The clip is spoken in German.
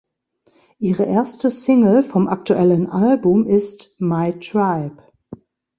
Ihre erste Single vom aktuellen Album ist "My Tribe".